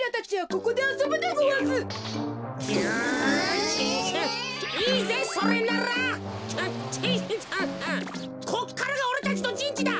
こっからがおれたちのじんちだ。